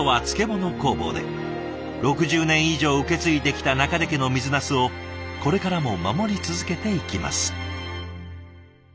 ６０年以上受け継いできた中出家の水なすをこれからも守り続けていきます。